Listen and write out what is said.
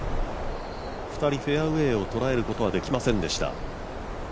２人フェアウエーを捉えることはできませんでした。